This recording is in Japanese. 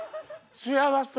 幸せ。